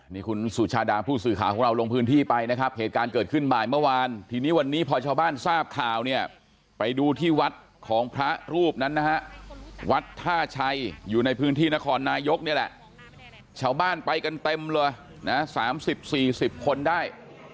นี่คุณสุชาดาผู้สื่อข่าวของเราลงพื้นที่ไปนะครับเหตุการณ์เกิดขึ้นบ่ายเมื่อวานทีนี้วันนี้พอชาวบ้านทราบข่าวเนี่ยไปดูที่วัดของพระรูปนั้นนะฮะวัดท่าชัยอยู่ในพื้นที่นครนายกนี่แหละชาวบ้านไปกันเต็มเลยนะ๓๐๔๐คนได้